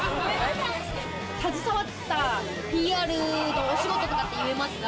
携わったＰＲのお仕事とかって言えますか？